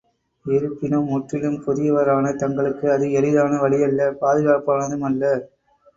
இருப்பினும், முற்றிலும் புதியவரான தங்களுக்கு அது எளிதான வழியல்ல பாதுகாப்பானதுமல்ல.